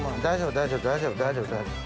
大丈夫大丈夫大丈夫。